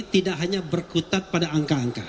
tidak hanya berkutat pada angka angka